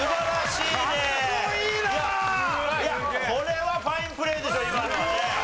いやこれはファインプレーですよ